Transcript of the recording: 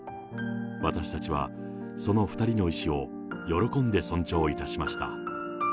私たちは、その２人の意思を喜んで尊重いたしました。